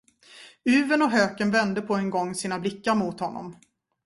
Uven och höken vände på en gång sina blickar mot honom.